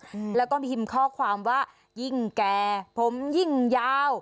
อืมแล้วก็พิมพ์ข้อความว่ายิ่งแก่ผมยิ่งยาว